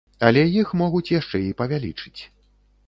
Але іх могуць яшчэ і павялічыць.